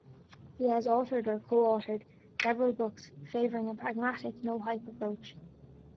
He has authored or co-authored several books, favoring a pragmatic, no-hype approach.